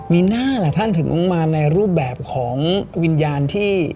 มีหน้าล่ะท่านถึงมาในรูปแบบของวิญญาณที่